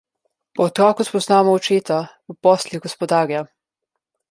Po otroku spoznamo očeta, po poslih gospodarja.